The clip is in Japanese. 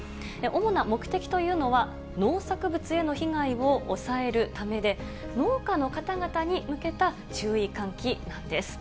おもな目的というのは農作物への被害を抑えるためで、農家の方々に向けた注意喚起なんです。